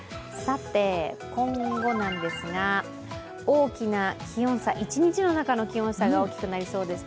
今後なんですが大きな気温差、一日の中での気温差が大きくなりそうです。